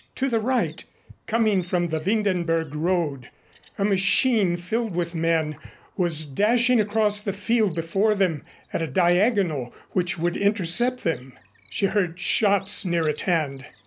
To the right, coming from the Windenberg road, a machine filled with men was dashing across the field before them at a diagonal which would intercept them. She heard shots near at hand.